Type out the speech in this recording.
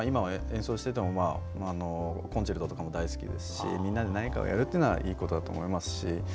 なので今は演奏していてもコンチェルトとかも大好きですしみんなで何かをやるというのはいいことだと思いますし。